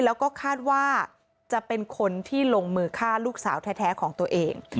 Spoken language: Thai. แล้วก็คาดว่าจะเป็นคนที่ลงมือฆ่าลูกสาวแท้ของตัวเอง